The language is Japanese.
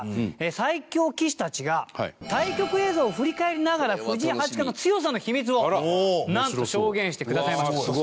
最強棋士たちが対局映像を振り返りながら藤井八冠の強さの秘密をなんと証言してくださいました。